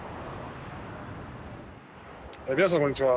皆さんこんにちは。